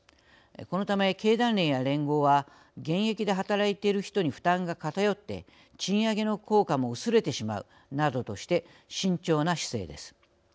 このため経団連や連合は現役で働いている人に負担が偏って賃上げの効果も薄れてしまうなどとして慎重な姿勢です。